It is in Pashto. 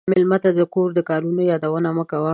مېلمه ته د کور د کارونو یادونه مه کوه.